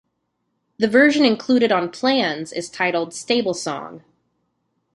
The version included on "Plans" is titled "Stable Song".